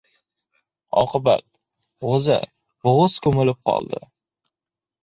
Oqibat — g‘o‘za bo‘g‘iz ko‘milib qoldi.